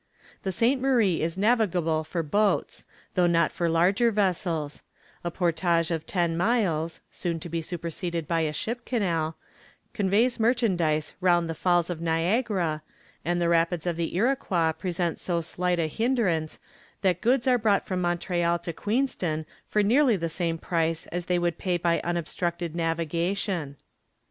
The St. Marie is navigable for boats, though not for larger vessels; a portage of ten miles (soon to be superseded by a ship canal) conveys merchandise around the Falls of Niagara, and the rapids of the Iroquois present so slight a hinderance, that goods are brought from Montreal to Queenston for nearly the same price as they would pay by unobstructed navigation.